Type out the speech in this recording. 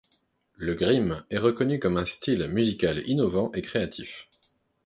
Le grime est reconnu comme un style musical innovant et créatif.